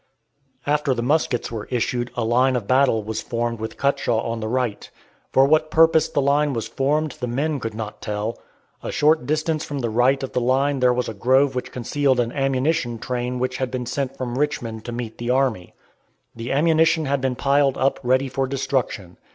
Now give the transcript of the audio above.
After the muskets were issued a line of battle was formed with Cutshaw on the right. For what purpose the line was formed the men could not tell. A short distance from the right of the line there was a grove which concealed an ammunition train which had been sent from Richmond to meet the army. The ammunition had been piled up ready for destruction.